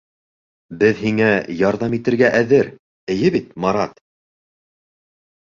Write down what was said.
Беҙ һиңә ярҙам итергә әҙер, эйе бит, Марат!